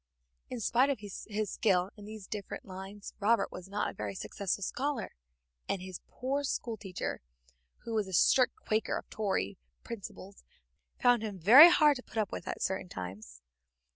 In spite of his skill in these different lines, Robert was not a very successful scholar, and his poor schoolteacher, who was a strict Quaker of Tory principles, found him very hard to put up with at certain times.